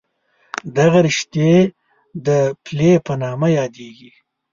دغه رشتې د پلې په نامه یادېږي.